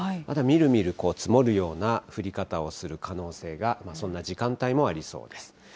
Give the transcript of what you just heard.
またみるみる積もるような降り方をする可能性が、そんな時間帯もありそうです。